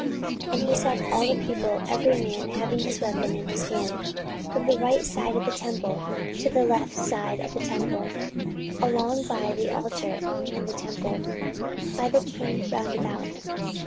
14:023:010 And he set all the people, every man having his weapon in his hand, from the right side of the temple to the left side of the temple, along by the altar and the temple, by the king round about.